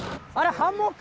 ハンモック。